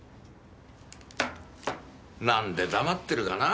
なんで黙ってるかな